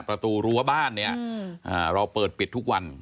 ประตูรั้วบ้านเนี่ยเราเปิดปิดทุกวัน